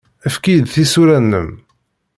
Efk-iyi-d tisura-nnem.